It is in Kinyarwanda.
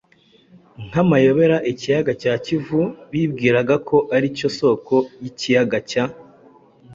nkamayobera, ikiyaga cya Kivu bibwiraga ko ari cyo soko y’ikiyaga cya